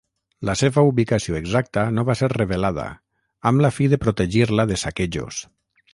La seva ubicació exacta no va ser revelada, amb la fi de protegir-la de saquejos.